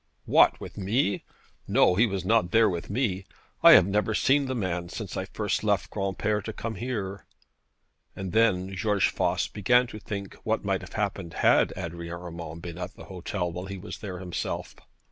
'What, with me! No; he was not there with me. I have never seen the man since I first left Granpere to come here.' And then George Voss began to think what might have happened had Adrian Urmand been at the hotel while he was there himself.